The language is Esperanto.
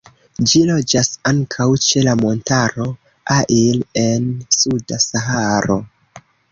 Ĝi loĝas ankaŭ ĉe la Montaro Air en suda Saharo.